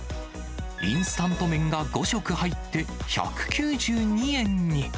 インスタント麺が５食入って１９２円に。